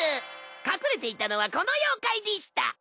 隠れていたのはこの妖怪でした。